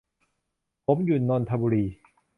ผมอยู่นนทบุรี